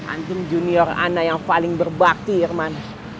anting junior anda yang paling berbakti irman